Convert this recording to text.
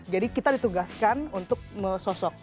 jadi kita ditugaskan untuk sosok